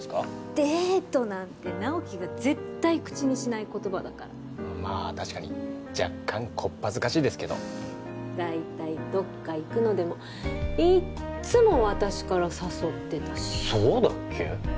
デートなんて直木が絶対口にしない言葉だからまあたしかに若干こっぱずかしいですけど大体どっか行くのでもいっつも私から誘ってたしそうだっけ？